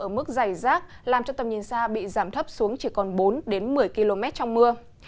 ở mức dày rác làm cho tầm nhìn xa bị giảm thấp xuống chỉ còn bốn một mươi km trong mưa